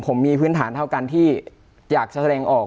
ผมมีพื้นฐานเท่ากันที่อยากจะแสดงออก